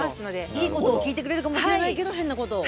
いいことを聞いてくれるかもしれないけど変なことを。